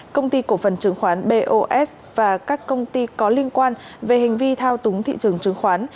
công ty cổ phần chứng khoán bos và các công ty có liên quan về hành vi thao túng thị trường chứng khoán